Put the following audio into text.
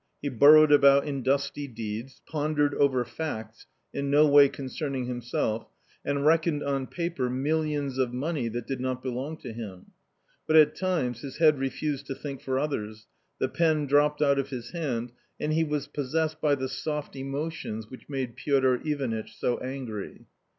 He burrowed about in dusty deeds, pondered over facts in no way concerning him self, and reckoned on paper millions of money that did not belong to him. But at times his head refused to think for others, the pen dropped out of his hand and he was possessed by the "soft emotions" which made Piotr Ivanitch so angry.